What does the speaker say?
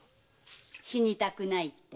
「死にたくない」って。